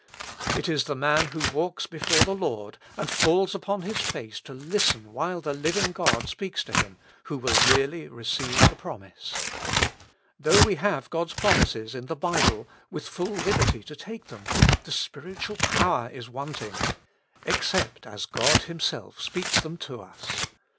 It is the man who walks before the Lord, and falls upon his face to listen while the living God speaks to him, who will really receive the promise. Though we have God's promises in the Bible, with full liberty to take them, the spiritual power is wanting, except as God Himself speaks them to us.